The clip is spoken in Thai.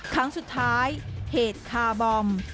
ครั้งสุดท้ายเหตุคาร์บอม